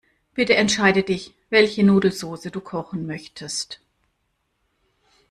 Bitte entscheide dich, welche Nudelsoße du kochen möchtest.